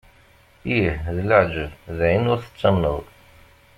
Ih, d leεǧeb, d ayen ur tettamneḍ!